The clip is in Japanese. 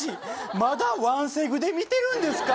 まだワンセグで見てるんですか？